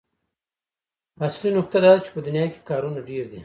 اصلي نکته دا ده چې په دنيا کې کارونه ډېر دي.